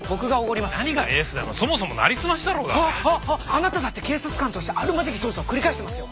あなただって警察官としてあるまじき捜査を繰り返してますよ。